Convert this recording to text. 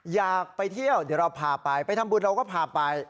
อยากไปเที่ยวเดี๋ยวเราพาไปไปทำบุญเราก็พาไป